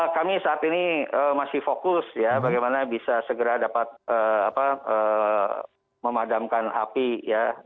kami saat ini masih fokus ya bagaimana bisa segera dapat memadamkan api ya